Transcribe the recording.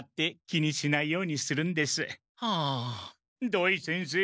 土井先生